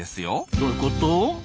どういうこと？